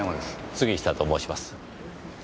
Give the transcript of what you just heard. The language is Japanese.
杉下と申します。